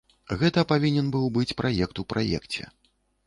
Гэта павінен быў быць праект у праекце.